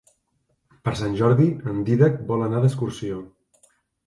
Per Sant Jordi en Dídac vol anar d'excursió.